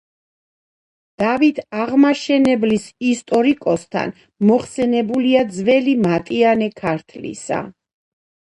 დავით აღმაშენებლის ისტორიკოსთან მოხსენიებულია „ძველი მატიანე ქართლისა“.